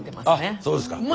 あっそうですか。